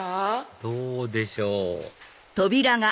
どうでしょう？